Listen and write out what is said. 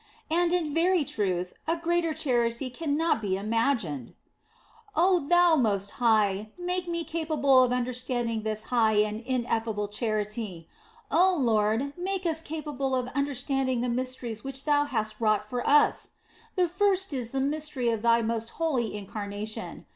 And in very truth, a greater charity cannot be imagined. " Oh Thou Most High, make me capable of understand ing this high and ineffable charity. Oh Lord, make us capable of understanding the mysteries which Thou hast wrought for us ! The first is the mystery of Thy most holy Incarnation.